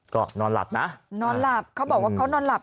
ก็นอนหลับนะนอนหลับเขาบอกว่าเขานอนหลับ